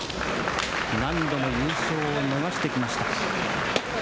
何度も優勝を逃してきました。